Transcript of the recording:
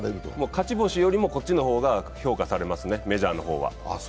勝ち星よりも、こっちの方が評価されますね、メジャーの方は。